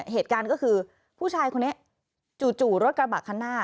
เหตุการณ์ก็คือผู้ชายคนนี้จู่รถกระบะคันหน้า